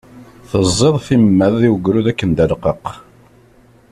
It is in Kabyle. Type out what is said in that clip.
Teẓẓiḍ timmad i ugrud akken d aleqqaq.